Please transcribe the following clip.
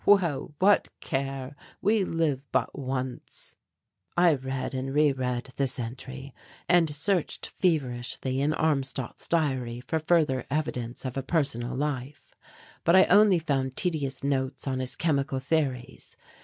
Well, what care, we live but once!" I read and re read this entry and searched feverishly in Armstadt's diary for further evidence of a personal life. But I only found tedious notes on his chemical theories.